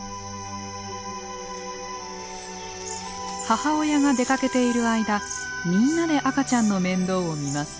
母親が出かけている間みんなで赤ちゃんの面倒を見ます。